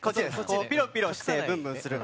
ピロピロしてブンブンするの。